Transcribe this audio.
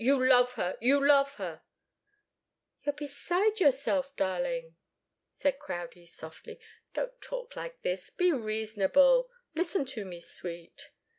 You love her you love her " "You're beside yourself, darling," said Crowdie, softly. "Don't talk like this! Be reasonable! Listen to me, sweet!"